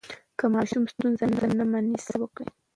که ماشوم ستونزه نه مني، صبر وکړئ.